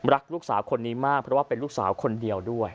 รักลูกสาวคนนี้มากเพราะว่าเป็นลูกสาวคนเดียวด้วย